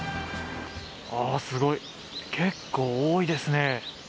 あー、すごい、結構多いですね。